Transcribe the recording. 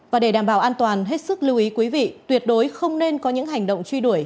và để đảm bảo an toàn hết sức lưu ý quý vị tuyệt đối không nên có những hành động truy đuổi